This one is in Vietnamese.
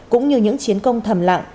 cũng như những chiến công thầm lặng